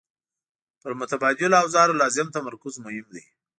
پر متبادلو اوزارو لازم تمرکز مهم دی.